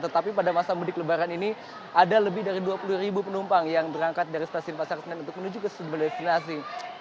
tetapi pada masa mudik lebaran ini ada lebih dari dua puluh ribu penumpang yang berangkat dari stasiun pasar senen untuk menuju ke sebelah destinasi